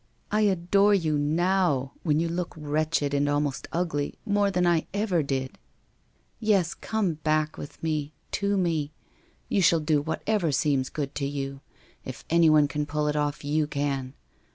I adore you now, when you look wretched and almost ugly, more than I ever did. Yes, come back with me, to me! You shall do whatever seems good to you. If anyone can pull it off, you can.